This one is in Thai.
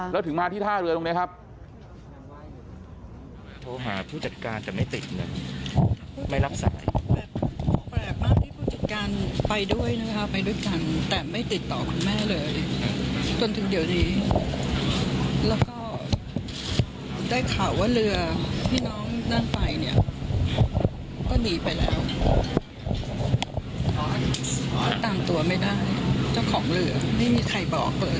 แล้วถึงมาที่ท่าเรือตรงนี้ครับ